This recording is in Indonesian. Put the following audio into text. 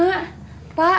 ada kemet lagi pak